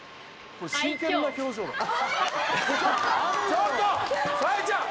ちょっと！さえちゃん！